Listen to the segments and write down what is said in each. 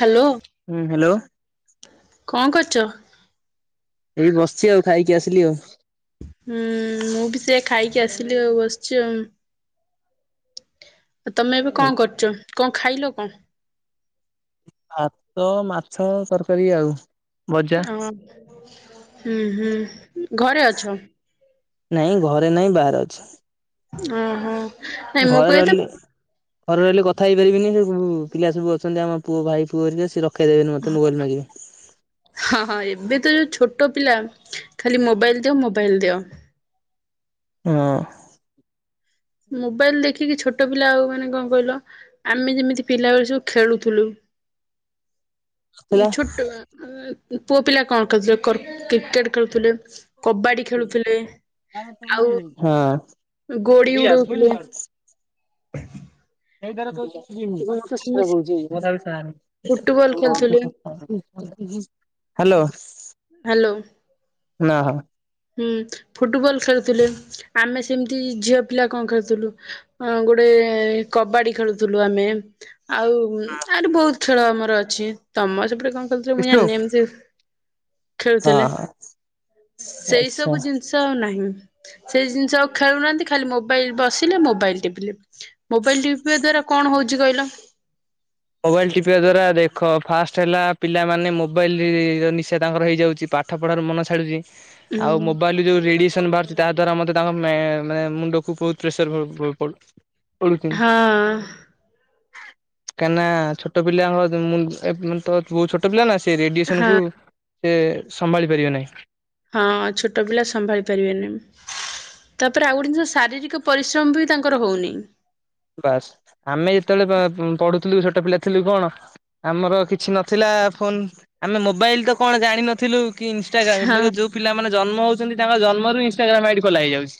Hello. ହୁଁ hello. କଣ କରୁଛ? ଏଇ ବସିଛି ଆଉ ଖାଇକି ଆସିଲି ଆଉ। ହୁଁ ମୁଁ ବି ସେଇଆ ଖାଇକି ଆସିଲି ଆଉ, ବସିଛି ଆଉ। ଆ ତମେ ଏବେ କଣ କରୁଛ? କଣ ଖାଇଲ କଣ? ଭାତ, ମାଛ ତରକାରୀ ଆଉ। ଭଜା। ଓ ହୁଁ ହୁଁ, ଘରେ ଅଛ? ନାଇଁ ଘରେ ନାଇଁ ବାହାରେ ଅଛି। ଓ ହୋ। ଘରେ ରହିଲେ ଘରେ ରହିଲେ କଥା ହେଇପାରିବିନି, ସବୁ ପିଲା ସବୁ ଅଛନ୍ତି ଆମ ପୁଅ ଭାଇ ପୁଅ ଅରିକା ସିଏ ର ରଖେଇ ଦେବେନି ମତେ ମୋବାଇଲ ମାଗିବେ। ହଁ ହଁ ଏବେ ତ ଯୋଉଁ ଛୋଟ ପିଲା ଖାଲି ମୋବାଇଲ ଦିଅ ମୋବାଇଲ ଦିଅ। ହଁ। ମୋବାଇଲ ଦେଖିକି ଛୋଟ ପିଲା ଆଉ ମାନେ କଣ କହିଲ ଆମେ ଯେମିତି ପିଲାବେଳ ସବୁ ଖେଳୁଥିଲୁ। ହ୍ୟାଲୋ। ଛୋଟ ପୁଅ ପିଲା କଣ ଖେୁଥିଲେ କ୍ରିକେଟ ଖେଳୁଥିଲେ। କବାଡ଼ି ଖେଳୁଥିଲେ, ନା ଆଉ ବିଷ୍ଣୁ। ଗୋଡି ଉଡଉଥିଲେ ହଁ। [inaudible] ଆମେ ଫୁଟବଲ ଖେଳୁଥିଲେ ହ୍ୟାଲୋ। ହ୍ୟାଲୋ। ନା ହଁ। ହୁଁ ଫୁଟବଲ ଖେଳୁଥିଲେ, ଆମେ ସେମିତି ଝିଅ ପିଲା କଣ ଖେଳୁଥିଲୁ? ହଁ ଗୋଟେ କବାଡି ଖେଳୁଥିଲୁ ଆମେ, ଆଉ ଆହୁରି ବହୁତ ଖେଳ ଆମର ଅଛି, ତମ ସେପଟେ କଣ ହଁ ଖେଳୁଥିବେ ମୁଁ ଜାଣିନି ଏମିତି ଖେଳୁଥିଲେ, ହଁ ସେଇ ଆଚ୍ଛା ସବୁ ଜିନିଷ ଆଉ ନାହିଁ ସେଇ ଜିନି ଯଉ ଖେଳୁନାହାନ୍ତି ଖାଲି ମୋବାଇଲ ବସିଲେ ମୋବାଇଲ ଟିପିଲେ, ମୋବାଇଲ ଟିପିବା ଦ୍ଵାରା କଣ ହଉଛି କହିଲ? ମୋବାଇଲ ଟିପିବା ଦ୍ଵାରା ଦେଖ ଫାଷ୍ଟ ହେଲା ପିଲାମାନେ ମୋବାଇଲ ନିଶା ତାଙ୍କର ହେଇଯାଉଛି ପାଠ ପାଠ ପଢ଼ାରୁ ମନ ଛାଡୁଛି ଉଁ ଆଉ ମୋବାଇଲରୁ ଯୋଉ ରେଡିଏସନ ବାହାରୁଛି ତା ଦ୍ଵାରା ମତେ ତାଙ୍କ ମେ ମେ ମୁଣ୍ଡକୁ ବହୁତ ପ୍ରେସର ପଡୁଚି। ହଁ କାହିଁକିନା ଛୋଟ ପିଲାଙ୍କ ମୁ ମୁ ତ ବହୁତ ଛୋଟ ପିଲା ନା ସେ ହଁ ରେଡ଼ିଏସନକୁ ସେ ସମ୍ଭାଳି ପାରିବେ ନାହିଁ। ହଁ ଛୋଟ ପିଲା ସମ୍ଭାଳି ପାରିବେନି। ତାପରେ ଆଉ ଗୋଟେ ଜିନଷ ଶାରୀରିକ ପରିଶ୍ରମ ବି ତାଙ୍କର ହୋଉନି। ବାସ୍ ଆମେ ଯେତେବେଳେ ପଢୁଥିଲୁ ଛୋଟ ପିଲା ଥିଲୁ କଣ ଆମର କିଛି ନଥିଲା ଫୋନ୍ ଆମେ ମୋବାଇଲ ତ କଣ ଜାଣିନଥିଲୁ। କି ଇନଷ୍ଟାଗ୍ରାମ୍ ଏବେ ହଁ ତ ଯୋଉ ପିଲାମାନେ ଜନ୍ମ ହେଉଛନ୍ତି ତାଙ୍କ ଜନ୍ମରୁ ଇନଷ୍ଟାଗ୍ରାମ ଆଇଡି ଖୋଲାହେଇଯାଉଛି।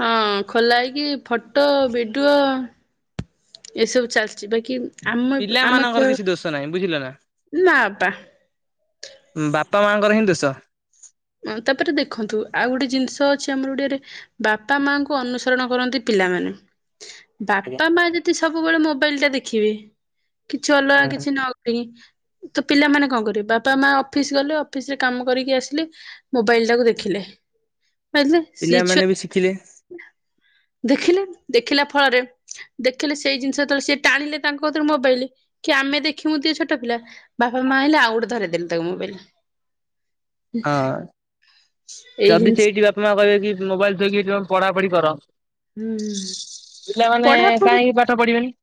ହଁ ଖୋଲା ହେଇକି ଫଟୋ ଭିଡିଓ ଏସବୁ ଚାଲିଛି ବାକି ଆମ ଆମ ପିଲାମାନଙ୍କର କିଛି ଦୋଷ ନାହିଁ ବୁଝିଲ ନା ନା ପା ବାପା ମାଆଙ୍କର ହିଁ ଦୋଷ। ଅ ତାପରେ ଦେଖନ୍ତୁ ଆଉ ଗୋଟେ ଜିନିଷ ଅଛି ଆମର ଓଡିଆରେ ବାପା ମାଙ୍କୁ ଅନୁସରଣ କରନ୍ତି ପିଲାମାନେ। ବାପା ମା ଯଦି ସବୁବେଳେ ମୋବାଇଲ ଟା ଦେଖିବେ କିଛି ଅଲଗା କିଛି ନ ତ ପିଲାମାନେ କଣ କରିବେ ବାପା ମା ଅଫିସ ଗଲେ ଅଫିସ ରେ କାମ କରିକି ଆସିଲେ ମୋବାଇଲ ଟାକୁ ଦେଖିଲେ ଦେଖିଲେ ସିଏ ଛୁ ପିଲାମାନେ ବି ଶିଖିଲେ। ଦେଖିଲେ ଦେଖିଲା ଫଳରେ ଦେଖିଲେ ସେଇ ଜିନିଷ ଯେତେବେଳ ସିଏ ଟାଣିଲେ ତାଙ୍କ କତିରୁ ମୋବାଇଲ କି ଆମେ ଦେଖିବୁ ଦିଅ ଛୋଟ ପିଲା ବାପା ମା ଆଇଲେ ଆଉ ଗୋଟେ ଧରେଇ ଦେଲେ ତାକୁ ମୋବାଇଲ। ହଁ ଏଇ ଯଦି ଜିନିଷ ସେଇଠି ବାପା ମା କହିବେ କି ମୋବାଇଲ ଥୋଇକି ଛୁଆ ପଢାପଢି କର ପିଲାମାନେ ପଢାପଢି କାହିଁକି ପାଠ ପଢିବେନି?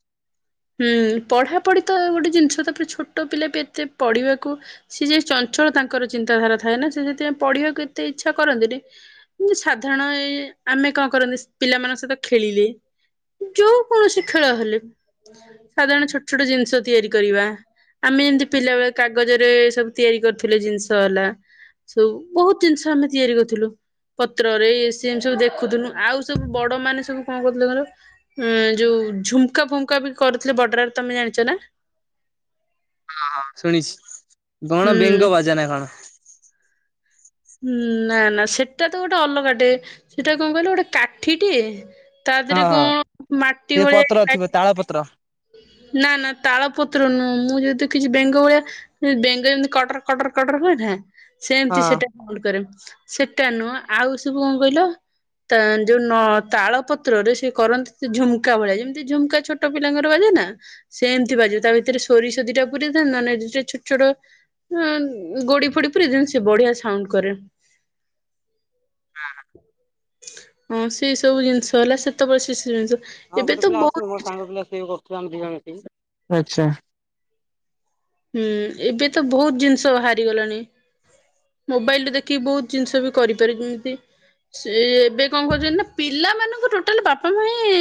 ହୁଁ ପଢାପଢି ତ ଗୋଟେ ଜିନିଷ ତାପରେ ଛୋଟ ପିଲା ବି ଏତେ ପଢିବାକୁ ସେ ଯେ ଚଞ୍ଚଳ ତାଙ୍କର ଚିନ୍ତାଧାରା ଥାଏ ନା ସେ ସେଥିପାଇଁ ପଢିବାକୁ ଏତେ ଇଚ୍ଛା କରନ୍ତିନି। ସାଧାରଣ ଏ ଆମେ କଣ କରନ୍ତି ପିଲାମାନଙ୍କ ସହିତ ଖେଳିଲେ। ଯୋଉ କୌଣସି ଖେଳ ହେଲେ ସାଧାରଣ ଛୋଟ ଛୋଟ ଜିନିଷ ତିଆରି କରିବା। ଆମେ ଯେମିତି ପିଲା ବେଳେ କାଗଜରେ ସବୁ ତିଆରି କରୁଥିଲେ ଜିନିଷ ହେଲା। ସବୁ ବହୁତ ଜିନିଷ ଆମେ ତିଆରି କରିଥିଲୁ। ପତ୍ରରେ ସେ ଏମ ସବୁ ଦେଖୁଥିଲୁ ଆଉ ସବୁ ବଡ ମାନେ ସବୁ କଣ କରୁଥିଲେ କହିଲ ହଁ ଯୋଉ ଝୁମ୍କା ଫୁମ୍କା ବି କରୁଥିଲେ ବଡରରେ ତମେ ଜାଣିଛ ନା? ହଁ ଶୁଣିଛି କଣ ହୁଁ ବେଙ୍ଗ ବାଜା ନା କଣ? ହୁଁ ନା ନା ସେଟା ତ ଗୋଟେ ଅଲଗା ଟେ ସେଟା କଣ କହିଲ ଗୋଟେ କାଠି ଟେ ତା ହଁ ଦେହରେ କଣ ମାଟି ଭଳିଆ ଥାଏ ତାଳପତ୍ର ନା ନା ତାଳପତ୍ର ନୁହଁ ମୁଁ ଯେଉ ଦେଖିଛି ବେଙ୍ଗ ଭଳିଆ ବେଙ୍ଗ ଯେମିତି କଟର କଟର କଟର ହୁଏ ନା ସେମିତି ହଁ। ସେଟା ଭଲ କରେ ସେଟା ନୁହଁ ଆଉ ସବୁ କଣ କହିଲ ତ ଯୋଉ ତାଳ ପତ୍ରରେ ସେ କରନ୍ତି ସେ ଝୁମ୍କା ଭଳିଆ। ଯେମିତି ଝୁମ୍କା ଛୋଟ ପିଲା ଙ୍କର ବାଜେ ନା ସେମିତି ବାଜେ ତା ଭିତରେ ସୋରିଷ ଦିଟା ପୁରେଇ ଦେବେ ନହେଲେ ଛୋଟ ଛୋଟ ଉ ଗୋଡି ଫୋଡି ପୁରେଇ ଦିଅନ୍ତି ସେ ବଢିଆ ସାଉଣ୍ଡ କରେ। ହଁ ହଁ ହଁ ସେ ସବୁ ଜିନିଷ ହେଲା ସେତେବେଳେ ସେ ସବୁ ଜିନିଷ ଆଉ ଏବେ ତ ଗୋଟେ ପିଲା ଅଛନ୍ତି ମୋ ବହୁତ ସାଙ୍ଗ ପିଲା ସେ ବି କରୁଥିଲା ଆମେ ଦି ଜଣ ମିଶିକି। ହୁଁ। ଏବେ ତ ବହୁତ୍ ଜିନିଷ ବାହାରିଗଲାଣି। ମୋବାଇଲରୁ ଦେଖିକି ବହୁତ୍ ଜିନିଷ ବି କରିପାରୁଚନ୍ତି। ସେ ଏବେ କଣ କରୁଛନ୍ତି ନା ପିଲାମାନଙ୍କୁ ଟୋଟାଲ ବାପା ମା ହିଁ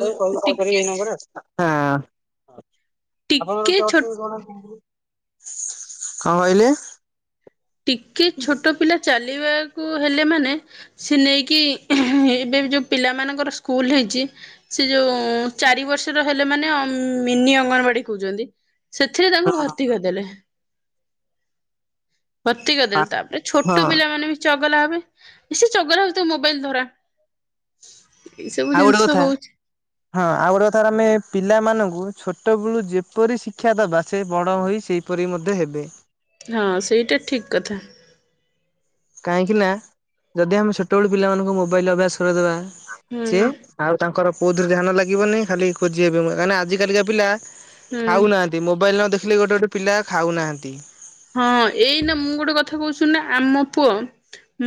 ହଉ କହିବୁ କଲ୍ କରିବି ଟିକେ ଏଇ ନମ୍ବର ରେ ଆଉ। ହଁ। ଟିକେ ଛୋ [unintelligible] କଣ କହିଲେ? ଟିକେ ଛୋଟ ପିଲା ଚାଲିବାକୁ ହେଲେ ମାନେ ସେ ନେଇକି ଏବେ ବି ଯୋଉ ପିଲାମାନଙ୍କର ସ୍କୁଲ୍ ହେଇଚି ସେ ଯୋଉ ଚାରି ବର୍ଷର ହେଲେ ମାନେ ମିନି ଅଙ୍ଗନବାଡି କହୁଚନ୍ତି। ସେଥିରେ ତାଙ୍କୁ ଭର୍ତ୍ତି କରିଦେଲେ। ଭର୍ତ୍ତି କରିଦେଲେ ତାପରେ ଛୋଟ ପିଲାମାନେ ବି ଚଗଲା ହେବେ। ସେ ଚଗଲା ହଉଚି ତାକୁ ମୋବାଇଲ୍ ଧରା। ଏଇ ସବୁ ଆଉ ଜିନିଷ ଗୋଟେ କଥା ହଉଛି ହଁ। ଆଉ ଗୋଟେ କଥା ଆମେ ପିଲାମାନଙ୍କୁ ଛୋଟବେଳୁ ଯେପରି ଶିକ୍ଷା ଦେବା ସେ ବଡ଼ ହୋଇ ସେ ପରି ମଧ୍ୟ ହେବେ। ହଁ ସେଇଟା ଠିକ୍ କଥା। କାହିଁକି ନା ଯଦି ଆମେ ଛୋଟବେଳୁ ପିଲାମାନଙ୍କୁ ମୋବାଇଲ୍ ଅଭ୍ୟାସ କରେଇଦେବା ହୁଁ ସେ ଆଉ ତାଙ୍କର କୋଉଥିରେ ଧ୍ୟାନ ଲାଗିବନି, ଖାଲି ଖୋଜି ହେବେ। କାହିଁକି ନା ଆଜିକାଲିକା ପିଲା ହୁଁ ଖାଉନାହାନ୍ତି। ମୋବାଇଲ୍ ନ ଦେଖିଲେ ଗୋଟେ ଗୋଟେ ପିଲା ଖାଉନାହାନ୍ତି। ହଁ। ଏଇନା ମୁଁ ଗୋଟେ କଥା କହୁଚି ଶୁଣୁନ, ଆମ ପୁଅ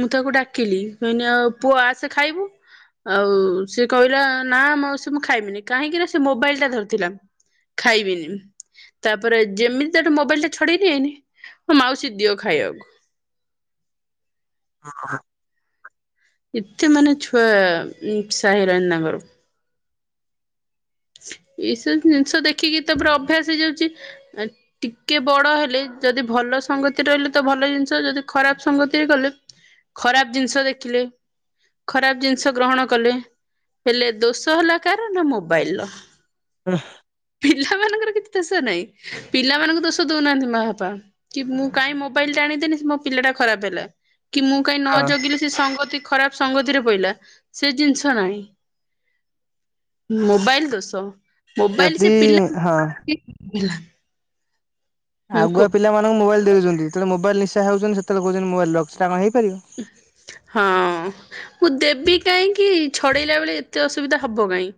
ମୁଁ ତାକୁ ଡାକିଲି, କହିନି ଆଉ ପୁଅ ଆସେ ଖାଇବୁ। ଆଉ ସେ କହିଲା ନା ମାଉସୀ ମୁଁ ଖାଇମିନି। କାହିଁକି ନା ସେ ମୋବାଇଲ ଟା ଧରିଥିଲା। ଖାଇବିନି। ତାପରେ ଯେମିତି ତାଠୁ ମୋବାଇଲ ଟା ଛଡେଇ ନେଇଆଇନି ହଁ, ମାଉସୀ ଦିଅ ଖାଇବାକୁ। ଏତେ ମାନେ ଛୁଆ ନିଶା ହେଇଗଲାଣି ତାଙ୍କର। ଏଇସବୁ ଜିନିଷ ଦେଖିକି ତ ପୁରା ଅଭ୍ୟାସ ହେଇଯାଉଚି। ଟିକେ ବଡ ହେଲେ ଯଦି ଭଲ ସଙ୍ଗତି ରେ ରହିଲେ ତ ଭଲ ଜିନିଷ, ଯଦି ଖରାପ ସଙ୍ଗତିରେ ଗଲେ ଖରାପ ଜିନିଷ ଦେଖିଲେ ଖରାପ ଜିନିଷ ଗ୍ରହଣ କଲେ, ହେଲେ ଦୋଷ ହେଲା କାହାର ନା ମୋବାଇଲର। ପିଲାମାନଙ୍କର କିଛି ଦୋଷ ନାହିଁ। ପିଲାମାନଙ୍କୁ ଦୋଷ ଦଉନାହାନ୍ତି ମା ବାପା। କି ମୁଁ କାଇଁ ମୋବାଇକ୍ ଟା ଆଣିକି ଦେନି ମୋ ପିଲା ଟା ଖରାପ ହେଲା। କି ମୁଁ କାଇଁ ନ ହଁ ଜଗିଲି ସେ ସଙ୍ଗତି ଖରାପ ସଙ୍ଗତିରେ ପଇଲା ସେ ଜିନିଷ୍ ନାହିଁ। ମୋବାଇଲ ଦୋଷ। ମୋବାଇଲ ସେ ଯଦି ପିଲା। ହଁ [unintelligible] ହଁ। ଆଗୁଆ ପିଲାମାନଙ୍କୁ ମୋବାଇଲ ଦେଇ ଦଉଛନ୍ତି। ଯେତବେଳେ ମୋବାଇଲ ନିଶା ହଉଛନ୍ତି ସେତେବେଳେ କହୁଛନ୍ତି ମୋବଇଲ ରଖ। ସେଟା କଣ ହେଇପାରିବ? ହଁ। ମୁଁ ଦେବି କାହିଁକି, ଛଡେଇଲା ବେଳେ ଏତେ ଅସୁବିଧା ହବ କାଇଁ।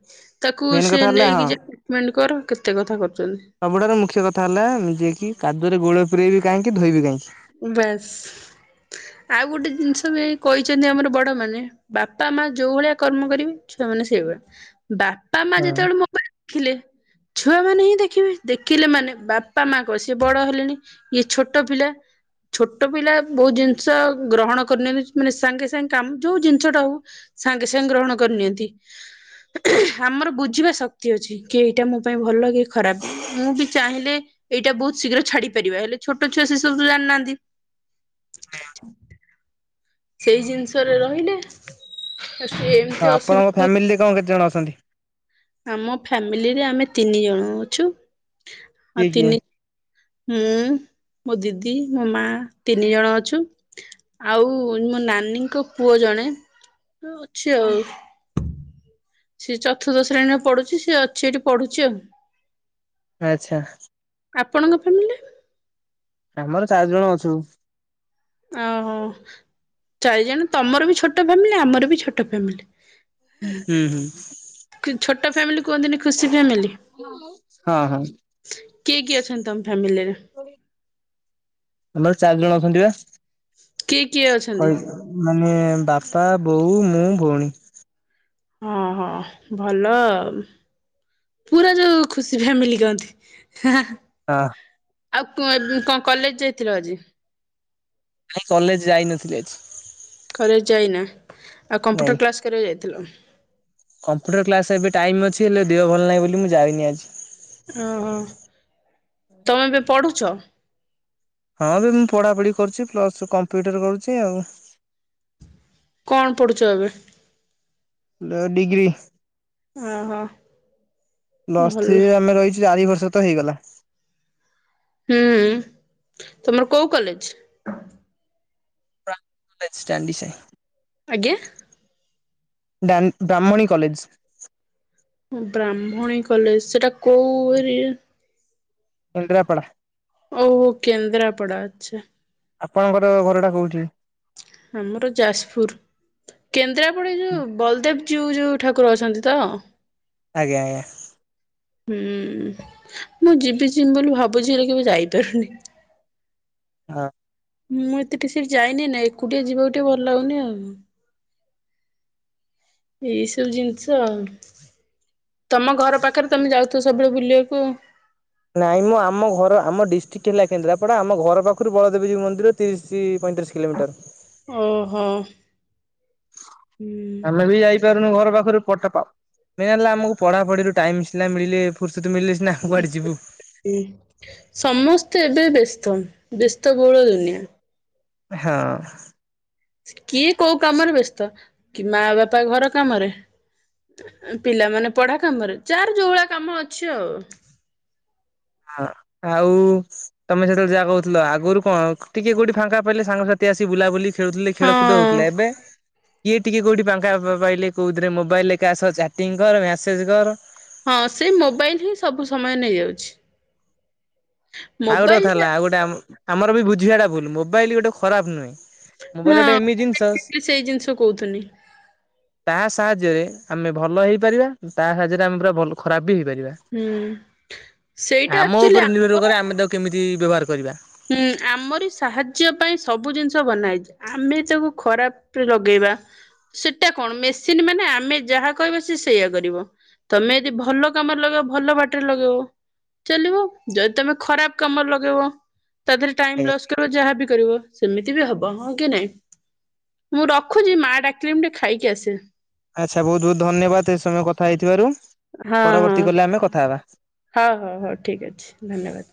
ତାକୁ ମେନ୍ ସେ କଥା ହେଲା ହଁ ନେଇକି ଯା ଟ୍ରିଟମେଣ୍ଟ କର, କେତେ କଥା କରୁଚନ୍ତି। ସବୁଠାରୁ ମୁଖ୍ୟ କଥା ହେଲା, ଯିଏକି କାଦୁଅରେ ଗୋଡ ପୁରେଇବି କାହିଁକି, ଧୋଇବି କାହିଁକି। ବାସ୍। ଆଉ ଗୋଟେ ଜିନିଷ ବି ଏଇ କହିଛନ୍ତି ଆମର ବଡ ମାନେ ବାପା ମା ଯୋଉ ଭଳିଆ କର୍ମ କରିବେ, ଛୁଆମାନେ ସେଇଭଳିଆ। ବାପା ମା ହଁ ଯେତେବେଳେ ମୋ ଦେଖିଲେ ଛୁଆମାନେ ହିଁ ଦେଖିବେ। ଦେଖିଲେ ମାନେ ବାପା ମା କଣ, ସିଏ ବଡ ହେଲେଣି ଇଏ ଛୋଟ ପିଲା ଛୋଟ ପିଲା ବହୁତ ଜିନିଷ ଗ୍ରହଣ କରିନିଅନ୍ତି, ମାନେ ସାଙ୍ଗେ ସାଙ୍ଗେ କାମ ଯୋଉ ଜିନିଷଟା ହଉ ସାଙ୍ଗେ ସାଙ୍ଗେ ଗ୍ରହଣ କରିନିଅନ୍ତି। ଆମର ବୁଝିବା ଶକ୍ତି ଅଛି। କି ଏଇଟା ମୋ ପାଇଁ ଭଲ କି ଖରାପ, ମୁଁ ବି ଚାହିଁଲେ ଏଇଟା ବହୁ ଶୀଘ୍ର ଛାଡି ପାରିବା। ହେଲେ ଛୋଟ ଛୁଆ ସେ ସବୁତ ଜାଣିନାହାନ୍ତି। [inaudible] ସେଇ ଜିନିଷରେ ରହିଲେ, ଆ ସିଏ ଏମିତି ଅସୁବିଧା ହ ଫାମିଲି ରେ କଣ କେତେଜଣ ଅଛନ୍ତି? ଆମ ଫ୍ୟାମିଲିରେ ଆମେ ତିନି ଜଣ ଅଛୁ। କିଏ ଆଉ କିଏ ତିନି ମୁଁ, ମୋ ଦିଦି, ମୋ ମା ତିନି ଜଣ ଅଛୁ। ଆଉ ମୋ ନାନୀଙ୍କ ପୁଅ ଜଣେ ହଁ ଅଛି ଆଉ। ସେ ଚତୁର୍ଥ ଶ୍ରେଣୀରେ ପଢୁଛି। ସିଏ ଅଛି ଏଠି ପଢୁଛି ଆଉ। ଆଚ୍ଛା। ଆପଣଙ୍କ ଫ୍ୟାମିଲି? ଆମର ଚାରି ଜଣ ଅଛୁ। ଆଉ, ଚାରିଜଣ ତମର ବି ଛୋଟ ଫ୍ୟାମିଲି ଆମର ବି ଛୋଟ ଫ୍ୟାମିଲି। ହୁଁ ହୁଁ। ଛୋଟ ଫ୍ୟାମିଲି କୁହନ୍ତିନି ଖୁସି ଫ୍ୟାମିଲି। ହଁ ହଁ କିଏ କିଏ ଅଛନ୍ତି ତମ ଫ୍ୟାମିଲିରେ? ଆମର ଚାରି ଜଣ ଅଛନ୍ତି ବା। କିଏ କିଏ ଅଛନ୍ତି? କହି ମାନେ ବାପା, ବୋଉ, ମୁଁ, ଭଉଣୀ। ଅ ହ ଭଲ ଆଉ। ପୁରା ଯୋଉ ଖୁସି ଫ୍ୟାମିଲି କହନ୍ତି। ହା ହା। ହଁ। ଆଉ କ୍ କଣ କଲେଜ୍ ଯାଇଥିଲ ଆଜି? ନାଇଁ କଲେଜ୍ ଯାଇନଥିଲି ଆଜି। କଲେଜ୍ ଯାଇନା, ଆଉ କମ୍ପ୍ୟୁଟର କ୍ଲାସ୍ କରିବାକୁ ଯାଇଥିଲ? କମ୍ପ୍ୟୁଟର୍ କ୍ଲାସ୍ ଏବେ ଟାଇମ୍ ଅଛି, ହେଲେ ଦେହ ଭଲ ନାଇଁ ବୋଲି ମୁଁ ଯାଇନି ଆଜି। ଓହୋ, ତମେ ଏବେ ପଢୁଚ? ହଁ ଏବେ ମୁଁ ପଢାପଢି କରୁଛି ପ୍ଲସ କମ୍ପ୍ୟୁଟର କରୁଚି ଆଉ। କଣ ପଢୁଚ ଏବେ? ଡ ଡିଗ୍ରୀ ଓହୋ ପ୍ଲସ୍ ଭଲ। ଥ୍ରୀ ରେ ଆମେ ରହିଚୁ ଚାରି ବର୍ଷ। ତ ହେଇଗଲା। ହୁଁ, ତମର କୋଉ କଲେଜ୍? କଲେଜ ଷ୍ଟାଡିଂ ସାଇ। ଆଜ୍ଞା। ଡାନ୍ ବ୍ରାହ୍ମଣୀ କଲେଜ୍। ବ୍ରାହ୍ମଣୀ କଲେଜ୍ ସେଟା କୋଉ ଏରିଆ? କେନ୍ଦ୍ରାପଡ଼ା। ଓହୋ କେନ୍ଦ୍ରାପଡ଼ା ଆଛା। ଆପଣଙ୍କର ଘର ଟା କୋଉଠି? ଆମର ଯାଜପୁର୍। କେନ୍ଦ୍ରାପଡା ଯଉ ବଲଦେବଜିଉ ଯୋଉ ଠାକୁର ଅଛନ୍ତି ତ? ଆଜ୍ଞା ଆଜ୍ଞା। ହୁଁ, ମୁଁ ଯିବି ଯିମି ବୋଲି ଭାବୁଚି ହେଲେ କେବେ ଯାଇପାରୁନି। ଆ ମୁଁ ଏତେ ଟି ସିଆଡ଼େ ଯାଇନି ନା ଏକୁଟିଆ ଯିବାକୁ ଟିକେ ଭଲ ଲାଗୁନି ଆଉ। ଏଇସବୁ ଜିନିଷ ଆଉ, ତମ ଘର ପାଖରେ ତମେ ଯାଉଥିବ ସବୁବେଳେ ବୁଲିଆକୁ ଆଉ। ନାଇଁ ମ ଆମ ଘର ଆମ ଡିଷ୍ଟ୍ରିକ୍ ହେଲା କେନ୍ଦ୍ରାପଡ଼ା, ଆମ ଘର ପାଖରୁ ବଳଦେବଜୀଉ ମନ୍ଦିର ତିରିଶୀ ପଇଁତିରିଶୀ କିଲୋମିଟର। ଓ ହୋ। ଆମେ ବି ଯାଇପାରୁନୁ ଘର ପାଖରୁ ପଟପାଓ ମେନ୍ ହେଲା ଆମକୁ ପଢ଼ାପଢ଼ିରୁ ଟାଇମ୍ ସିନା ମିଳିଲେ ଫୁର୍ ସତ୍ ମିିଳିଲେ ସିନା କୁଆଡ଼େ ଯିବୁ। ହୁଁ, ସମସ୍ତେ ଏବେ ବ୍ୟସ୍ତ ବ୍ୟସ୍ତ ବହୁଳ ଦୁନିଆ। ହଁ। କିଏ କୋଉ କାମରେ ବ୍ୟସ୍ତ କି ମା ବାପା ଘର କାମରେ ପିଲାମାନେ ପଢ଼ା କାମରେ, ଯାର ଜୋଉଅଳିଆ କାମ ଅଛି ଆଉ। ଆ ଆଉ ତମେ ସେତେବେଳେ ଯାହା କହୁଥିଲ, ଆଗରୁ କଣ ଟିକେ କୋଉଟି ଫାଙ୍କା ପାଇଲେ ସାଙ୍ଗସାଥି ଆସି ବୁଲା ବୁଲି ଖେଳୁଥିଲେ, ଖେଳକୁଦ ହଁ ହଉଥିଲେ ଏବେ କିଏ ଟିକେ କୋଉଠି ପାଙ୍କା ପା ପାଇଲେ କୋଉଥିରେ ମୋବାଇଲ ରେ କାହା ସହ ଚାଟିଂ କର ମ୍ୟାସେଜ୍ କର୍। ହଁ ସେ ମୋବାଇଲ୍ ହିଁ ସବୁ ସମୟ ନେଇଯାଉଚି। ଆଉ ଗୋଟେ କଥା ହେଲା ଆଉ ଟା ଗୋଟେ ଆମ ଆମର ବି ବୁଝିବାଟା ଭୁଲ୍ ମୋବାଇଲ ଗୋଟେ ଖରାପ୍ ନୁହେଁ। ମୋବାଇଲ୍ ଗୋଟେ ଏମିତି ଜିନିଷ ହଁ ସେଇ ଜିନିଷ କହୁଥିଲି ତା ସାହାଯ୍ୟରେ ଆମେ ଭଲ ହେଇପାରିବା, ତା ସାହାଯ୍ୟରେ ଆମେ ପୁରା ଭଲ ଖରାପ୍ ବି ହେଇପାରିବା। ହୁଁ ସେଇଟା ଆମ ଆକ୍ଚୁଆଲି ଉପରେ ନିର୍ଭର ଆମର କରେ, ଆମେ ତାକୁ କେମିତି ବ୍ୟବହାର କରିବା। ହୁଁ, ଆମରି ସାହାଯ୍ୟ ପାଇଁ ସବୁ ଜିନିଷ ବନାହେଇଚି। ଆମେ ତାକୁ ଖରାପ୍ ରେ ଲଗେଇବା। ସେଟା କଣ, ମେସିନ ମାନେ ଆମେ ଯାହା କହିବା ସିଏ ସେଇଆ କରିବ। ତମେ ଯଦି ଭଲ କାମରେ ଲଗେଇବ ଭଲ ବାଟରେ ଲଗେଇବ। ଚାଲିବ ଯଦି ତମେ ଖରାପ କାମରେ ଲଗେଇବ ତା ଦେହରେ ଟାଇମ ଆଜ୍ଞା ଲସ୍ କର ଯାହା ବି କରିବ, ସେମିତି ବି ହବ ହଁ କି ନାଇଁ? ମୁଁ ରଖୁଛି ମା ଡାକିଲେ ମୁଁ ଟିକେ ଖାଇକି ଆସେ। ଆଚ୍ଛା ବହୁତ ବହୁତ ଧନ୍ୟବାଦ ଏ ସମୟ କଥା ହେଇଥିବାରୁ, ହଁ ପରବର୍ତ୍ତୀ ହଁ କଲେ ଆମେ କଥା ହେବା। ହଉ ହଉ ହଉ ଠିକ୍ ଅଛି ଧନ୍ୟବାଦ।